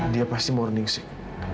dia pasti mau ningsik